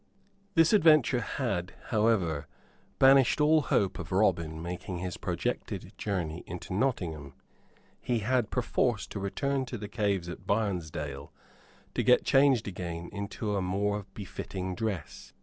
This adventure had, however, banished all hope of Robin making his projected journey into Nottingham. He had perforce to return to the caves at Barnesdale, to get changed again into a more befitting dress.